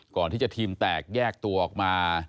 ก่อนที่จะทีมแตกแยกตัวออกมา